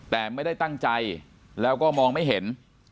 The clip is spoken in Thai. แต่ไม่ได้ตั้งใจแล้วก็มองไม่เห็น